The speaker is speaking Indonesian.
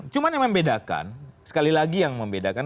cuma yang membedakan sekali lagi yang membedakan